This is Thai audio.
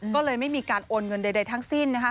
ก็เลยไม่มีการโอนเงินใดทั้งสิ้นนะคะ